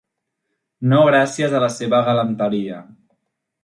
No gràcies a la seva galanteria.